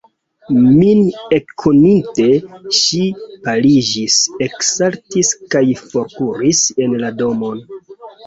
Min ekkoninte, ŝi paliĝis, eksaltis kaj forkuris en la domon.